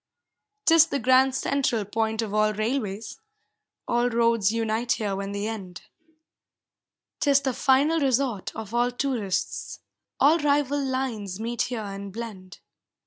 'Tis the Grand Central point of all railways, All roads unite here when they end; 'Tis the final resort of all tourists, All rival lines meet here and blend.